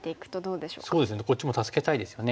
そうですよねこっちも助けたいですよね。